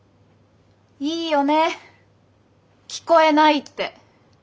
いいよね聞こえないって！